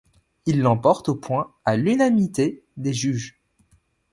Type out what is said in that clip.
Il l'emporte aux points à l'unamité des juges.